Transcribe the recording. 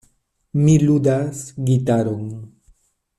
Mi ludas gitaron.